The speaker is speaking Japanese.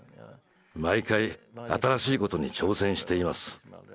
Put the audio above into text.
毎回新しいことに挑戦しています。